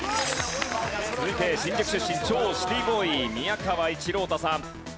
続いて新宿出身超シティーボーイ宮川一朗太さん。